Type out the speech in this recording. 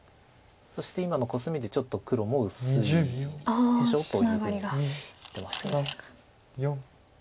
そして今のコスミで「ちょっと黒も薄いでしょ」というふうに言ってます。